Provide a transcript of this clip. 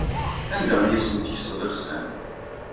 Anda ay asent-tekkseḍ iɣsan?